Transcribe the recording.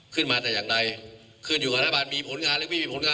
ขึ้นมาแต่อย่างใดขึ้นอยู่กับรัฐบาลมีผลงานหรือไม่มีผลงาน